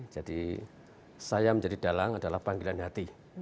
jadi saya menjadi dalang adalah panggilan hati